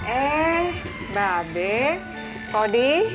eh mbak abe kody